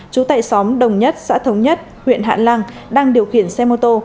chú tại xóm đồng nhất xã thống nhất huyện hạn lang đang điều khiển xe mô tô